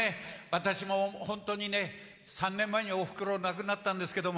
私も本当にね、３年前におふくろ亡くなったんですけど。